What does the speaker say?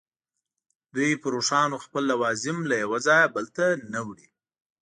دوی پر اوښانو خپل لوازم له یوه ځایه بل ته نه وړي.